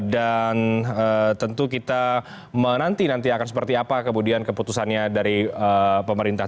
tentu kita menanti nanti akan seperti apa kemudian keputusannya dari pemerintah